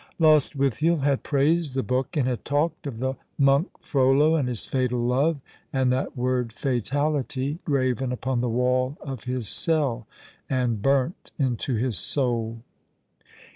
Lostwithiel had praised the book, and had talked of the monk Frollo, and his fatal love — and that word Fatality, graven upon the wall of his cell, and burnt into his soul.